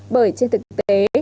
bởi trên thực tế